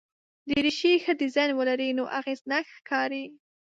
دریشي ښه ډیزاین ولري نو اغېزناک ښکاري.